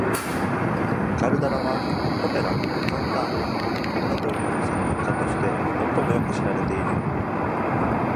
カルダラは、オペラ、カンタータ、オラトリオの作曲家として最もよく知られている。